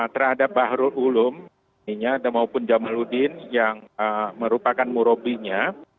terhadap bahru ulum ininya maupun jamaluddin yang merupakan murobinya